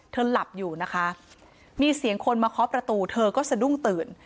หลับอยู่นะคะมีเสียงคนมาเคาะประตูเธอก็สะดุ้งตื่น